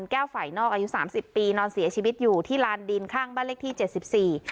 ฝ่ายนอกอายุสามสิบปีนอนเสียชีวิตอยู่ที่ลานดินข้างบ้านเลขที่เจ็ดสิบสี่